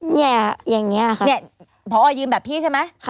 เนี่ยอย่างนี้ค่ะเนี่ยพอยืมแบบพี่ใช่ไหม